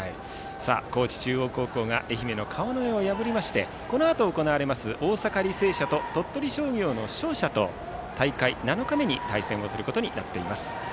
高知中央高校が愛媛の川之江を破りましてこのあと行われます大阪・履正社と鳥取商業の勝者と大会７日目に対戦することになります。